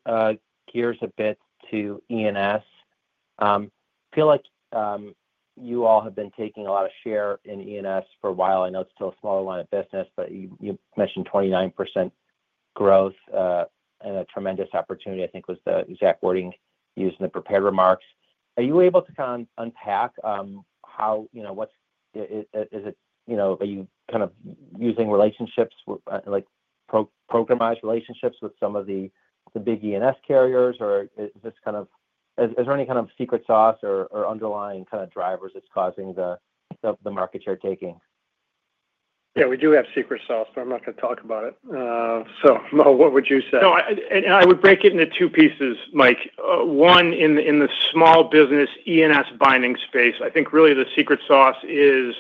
gears a bit to E&S. I feel like you all have been taking a lot of share in E&S for a while. I know it's still a smaller line of business, but you mentioned 29% growth and a tremendous opportunity, I think was the exact wording used in the prepared remarks. Are you able to kind of unpack how, what's is it, are you kind of using relationships, like programmatic relationships with some of the big E&S carriers, or is this kind of, is there any kind of secret sauce or underlying kind of drivers that's causing the market share taking? Yeah, we do have secret sauce, but I'm not going to talk about it. Mo, what would you say? No, I would break it into two pieces, Mike. One, in the small business E&S Binding Space, I think really the secret sauce is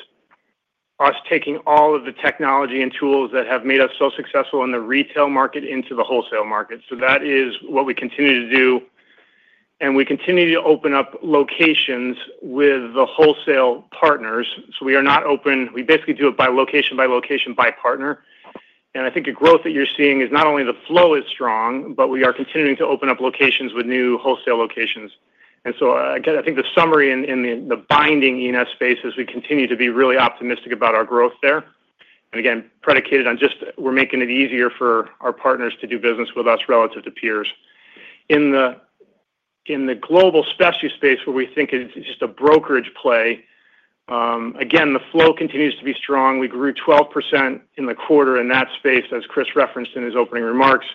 us taking all of the technology and tools that have made us so successful in the retail market into the wholesale market. That is what we continue to do. We continue to open up locations with the wholesale partners. We are not open. We basically do it by location, by location, by partner. I think the growth that you're seeing is not only the flow is strong, but we are continuing to open up locations with new wholesale locations. I think the summary in the Binding E&S space is we continue to be really optimistic about our growth there. Again, predicated on just we're making it easier for our partners to do business with us relative to peers. In the global specialty space, where we think it's just a brokerage play, again, the flow continues to be strong. We grew 12% in the quarter in that space, as Chris referenced in his opening remarks.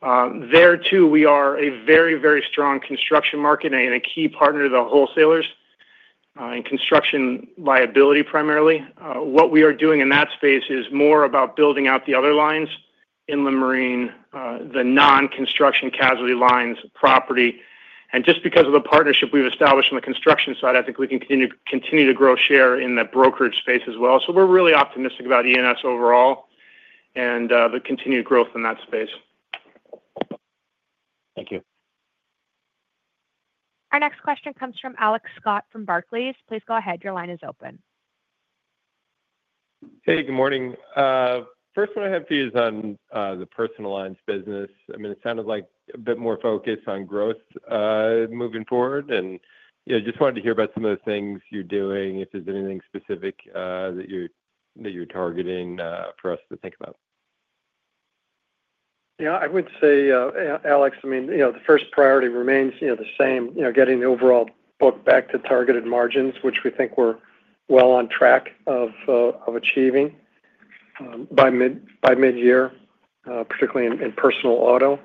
There too, we are a very, very strong construction market and a key partner to the wholesalers in construction liability primarily. What we are doing in that space is more about building out the other lines. Inland Marine, the non-construction casualty lines, property. Just because of the partnership we have established on the construction side, I think we can continue to grow share in the brokerage space as well. We are really optimistic about E&S overall and the continued growth in that space. Thank you. Our next question comes from Alex Scott from Barclays. Please go ahead. Your line is open. Hey, good morning. First, what I have for you is on the personal lines business. I mean, it sounded like a bit more focus on growth moving forward. I just wanted to hear about some of the things you are doing, if there is anything specific that you are targeting for us to think about. Yeah, I would say, Alex, I mean, the first priority remains the same, getting the overall book back to targeted margins, which we think we're well on track of achieving by mid-year, particularly in personal auto.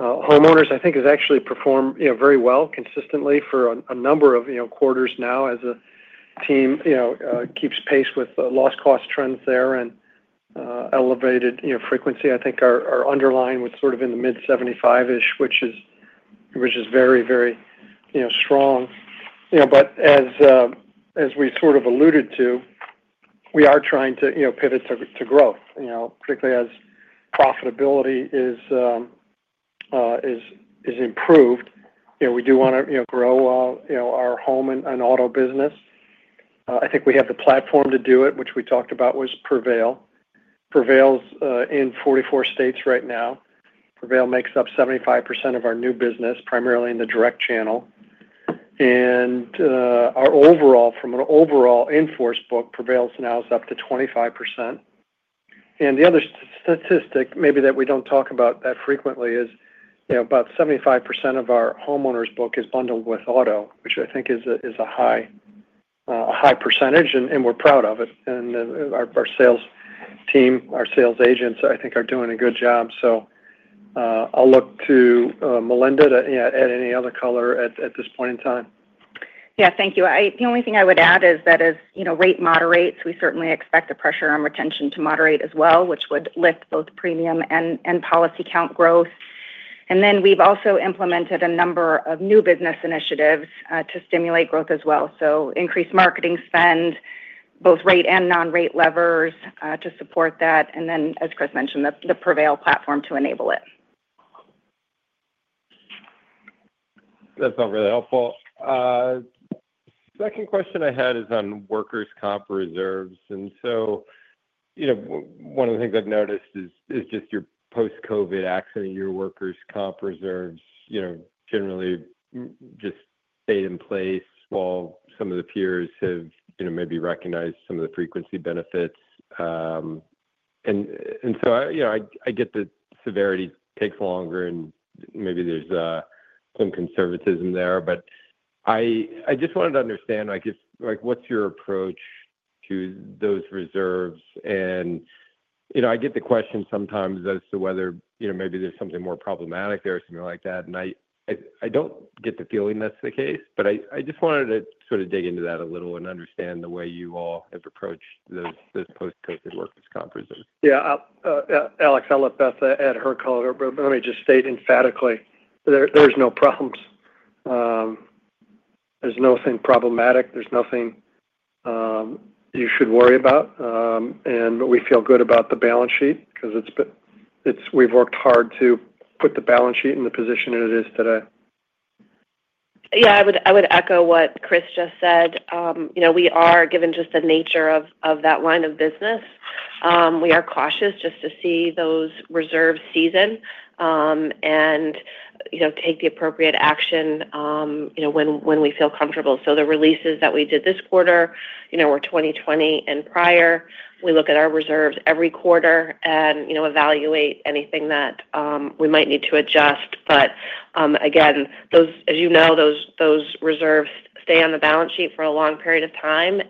Homeowners, I think, have actually performed very well consistently for a number of quarters now as a team keeps pace with the loss cost trends there and elevated frequency. I think our underlying was sort of in the mid-75-ish, which is very, very strong. As we sort of alluded to, we are trying to pivot to growth, particularly as profitability is improved. We do want to grow our home and auto business. I think we have the platform to do it, which we talked about was Purveil. Purveil's in 44 states right now. Purveil makes up 75% of our new business, primarily in the direct channel. From an overall in-force book, Purveil's now is up to 25%. The other statistic, maybe that we do not talk about that frequently, is about 75% of our homeowners book is bundled with auto, which I think is a high percentage, and we are proud of it. Our sales team, our sales agents, I think, are doing a good job. I will look to Melinda for any other color at this point in time. Thank you. The only thing I would add is that as rate moderates, we certainly expect the pressure on retention to moderate as well, which would lift both premium and policy count growth. We have also implemented a number of new business initiatives to stimulate growth as well. Increased marketing spend, both rate and non-rate levers to support that. As Chris mentioned, the Purveil Platform to enable it. That's all really helpful. Second question I had is on workers' comp reserves. One of the things I've noticed is just your post-COVID accident, your workers' comp reserves generally just stayed in place while some of the peers have maybe recognized some of the frequency benefits. I get the severity takes longer, and maybe there's some conservatism there. I just wanted to understand, what's your approach to those reserves? I get the question sometimes as to whether maybe there's something more problematic there or something like that. I don't get the feeling that's the case, but I just wanted to sort of dig into that a little and understand the way you all have approached those post-COVID workers' comp reserves. Yeah, Alex, I'll let Beth add her color. Let me just state emphatically, there's no problems. There's nothing problematic. There's nothing you should worry about. We feel good about the balance sheet because we've worked hard to put the balance sheet in the position it is today. Yeah, I would echo what Chris just said. We are, given just the nature of that line of business, cautious just to see those reserves season and take the appropriate action when we feel comfortable. The releases that we did this quarter were 2020 and prior. We look at our reserves every quarter and evaluate anything that we might need to adjust. Again, as you know, those reserves stay on the balance sheet for a long period of time.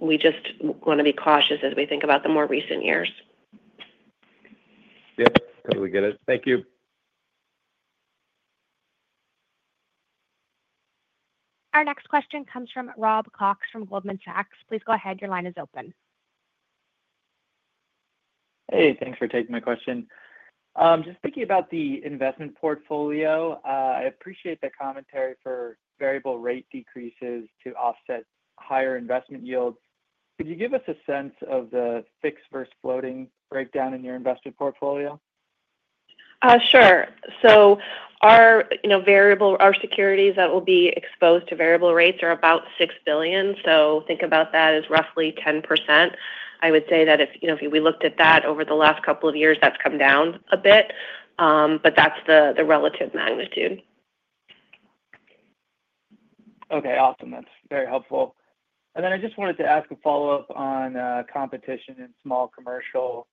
We just want to be cautious as we think about the more recent years. Yep, totally get it. Thank you. Our next question comes from Rob Cox from Goldman Sachs. Please go ahead. Your line is open. Hey, thanks for taking my question. Just thinking about the investment portfolio, I appreciate the commentary for variable rate decreases to offset higher investment yields. Could you give us a sense of the fixed versus floating breakdown in your investment portfolio? Sure. Our securities that will be exposed to variable rates are about $6 billion. Think about that as roughly 10%. I would say that if we looked at that over the last couple of years, that's come down a bit. That's the relative magnitude. Okay, awesome. That's very helpful. I just wanted to ask a follow-up on competition in small commercial.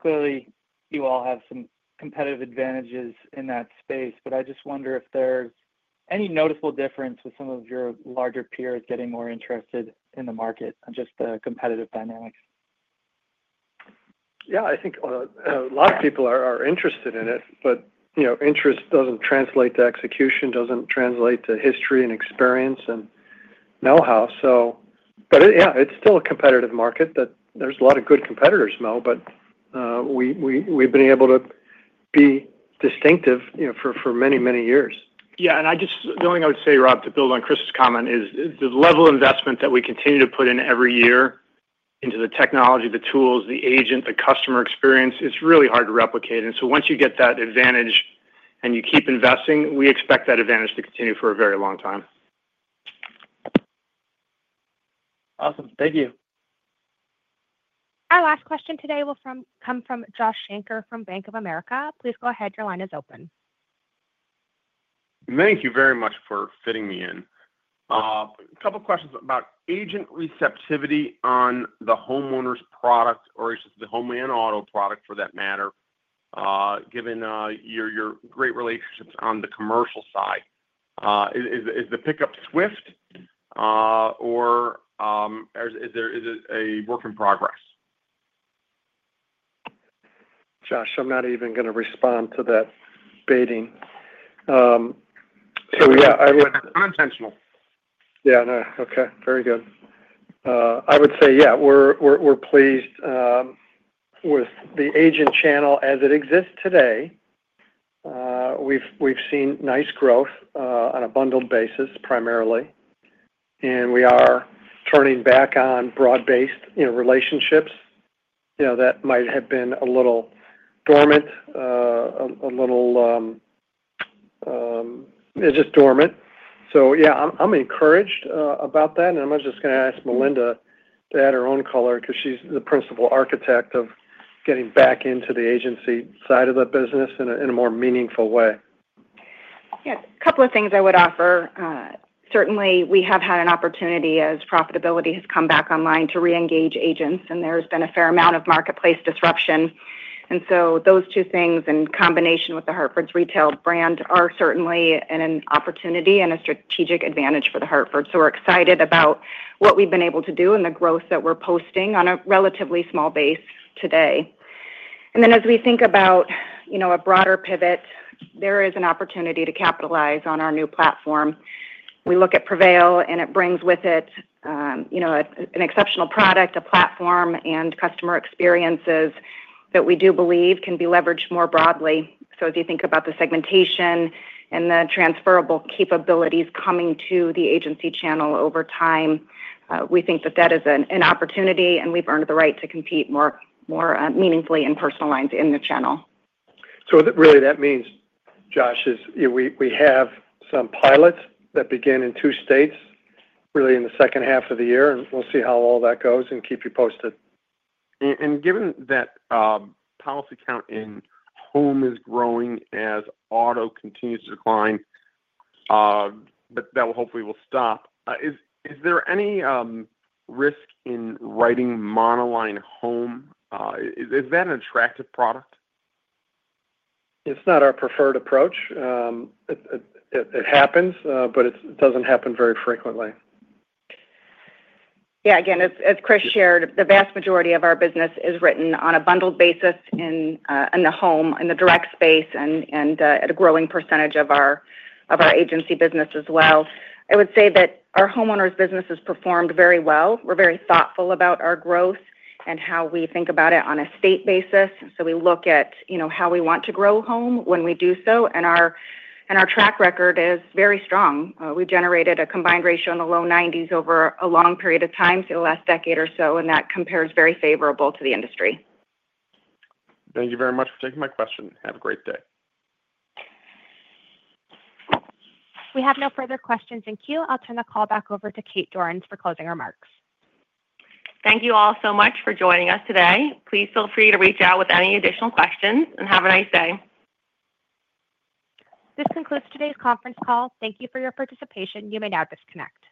Clearly, you all have some competitive advantages in that space, but I just wonder if there's any noticeable difference with some of your larger peers getting more interested in the market on just the competitive dynamics. Yeah, I think a lot of people are interested in it, but interest doesn't translate to execution, doesn't translate to history and experience and know-how. Yeah, it's still a competitive market, there are a lot of good competitors, Mo, but we've been able to be distinctive for many, many years. The only thing I would say, Rob, to build on Chris's comment, is the level of investment that we continue to put in every year into the technology, the tools, the agent, the customer experience, it's really hard to replicate. Once you get that advantage and you keep investing, we expect that advantage to continue for a very long time. Awesome. Thank you. Our last question today will come from Josh Shanker from Bank of America. Please go ahead. Your line is open. Thank you very much for fitting me in. A couple of questions about agent receptivity on the homeowners product or just the home and auto product for that matter, given your great relationships on the commercial side. Is the pickup swift, or is its a work in progress? Josh, I'm not even going to respond to that baiting. Yeah, I would. Unintentional. Yeah. Okay. Very good. I would say, yeah, we're pleased with the agent channel as it exists today. We've seen nice growth on a bundled basis primarily. We are turning back on broad-based relationships that might have been a little dormant, a little just dormant. Yeah, I'm encouraged about that. I'm just going to ask Melinda to add her own color because she's the principal architect of getting back into the agency side of the business in a more meaningful way. Yeah. A couple of things I would offer. Certainly, we have had an opportunity as profitability has come back online to re-engage agents. There has been a fair amount of marketplace disruption. Those two things in combination with The Hartford's retail brand are certainly an opportunity and a strategic advantage for The Hartford. We are excited about what we have been able to do and the growth that we are posting on a relatively small base today. As we think about a broader pivot, there is an opportunity to capitalize on our new platform. We look at Purveil, and it brings with it an exceptional product, a platform, and customer experiences that we do believe can be leveraged more broadly. As you think about the segmentation and the transferable capabilities coming to the agency channel over time, we think that that is an opportunity, and we've earned the right to compete more meaningfully in personal lines in the channel. That really means, Josh, we have some pilots that begin in two states, really in the second half of the year, and we'll see how all that goes and keep you posted. Given that policy count in home is growing as auto continues to decline, but that will hopefully stop, is there any risk in writing monoline home? Is that an attractive product? It's not our preferred approach. It happens, but it doesn't happen very frequently. Yeah. Again, as Chris shared, the vast majority of our business is written on a bundled basis in the home and the direct space and at a growing percentage of our agency business as well. I would say that our homeowners business has performed very well. We're very thoughtful about our growth and how we think about it on a state basis. We look at how we want to grow home when we do so. Our track record is very strong. We've generated a combined ratio in the low 90s over a long period of time, the last decade or so, and that compares very favorable to the industry. Thank you very much for taking my question. Have a great day. We have no further questions. Thank you. I'll turn the call back over to Kate Jorens for closing remarks. Thank you all so much for joining us today. Please feel free to reach out with any additional questions and have a nice day. This concludes today's conference call. Thank you for your participation. You may now disconnect.